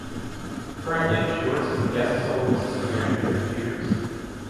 Currently, she works as a guest soloist singer in different theaters.